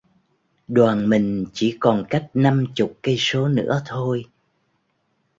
Đoàn mình chỉ còn cách năm chục cây số nữa thôi